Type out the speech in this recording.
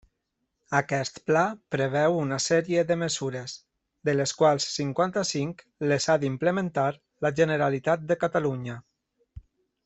Aquest pla preveu una sèrie de mesures, de les quals cinquanta-cinc les ha d'implementar la Generalitat de Catalunya.